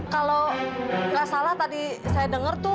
kalau tidak salah tadi saya dengar